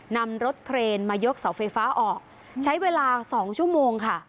นำรถเครนมายกเสาไฟฟ้าออกใช้เวลา๒ชั่วโมงค่ะ